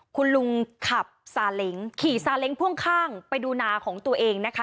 คุณลุงขับซาเล้งขี่ซาเล้งพ่วงข้างไปดูนาของตัวเองนะคะ